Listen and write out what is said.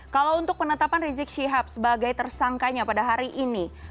kalau untuk penetapan rizik syihab sebagai tersangkanya pada hari ini